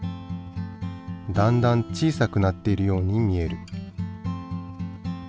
だんだん小さくなっているように見える。